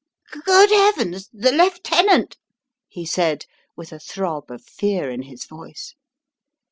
"Good heavens! The lieutenant!" he said, with a throb of fear in his voice.